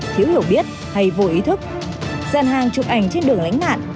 thiếu hiểu biết hay vô ý thức dàn hàng chụp ảnh trên đường lãnh nạn